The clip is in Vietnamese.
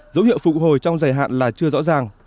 dấu hiệu phục hồi trong dài hạn là chưa rõ ràng